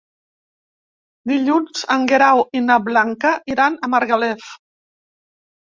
Dilluns en Guerau i na Blanca iran a Margalef.